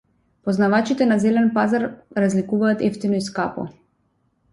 Познавачите на зелен пазар разликуваат евтино и скапо.